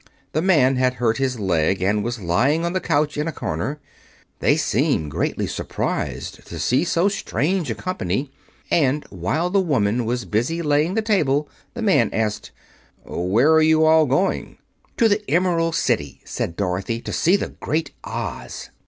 The man had hurt his leg, and was lying on the couch in a corner. They seemed greatly surprised to see so strange a company, and while the woman was busy laying the table the man asked: "Where are you all going?" "To the Emerald City," said Dorothy, "to see the Great Oz."